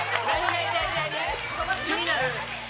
気になる。